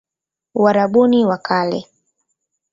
Uarabuni wa Kale